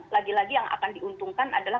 lagi lagi yang akan diuntungkan adalah